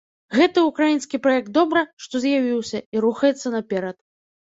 Гэты ўкраінскі праект добра, што з'явіўся і рухаецца наперад.